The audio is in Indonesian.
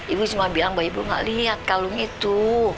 ibu cuma bilang mbak ibu gak lihat kalung itu